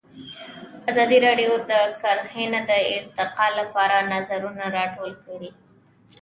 ازادي راډیو د کرهنه د ارتقا لپاره نظرونه راټول کړي.